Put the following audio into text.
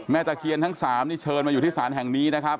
ตะเคียนทั้ง๓นี่เชิญมาอยู่ที่ศาลแห่งนี้นะครับ